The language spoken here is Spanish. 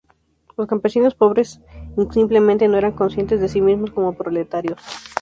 Los campesinos pobres simplemente no eran conscientes de sí mismos como 'proletarios'.